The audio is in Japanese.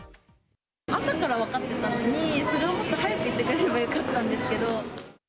朝から分かってたのに、それをもっと早く言ってくれればよかったんですけど。